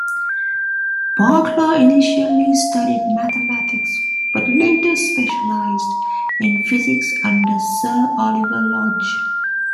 Barkla initially studied Mathematics but later specialised in Physics under Sir Oliver Lodge.